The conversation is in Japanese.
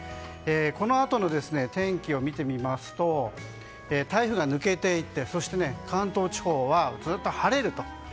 このあとの天気を見てみますと台風が抜けていって関東地方はずっと晴れると。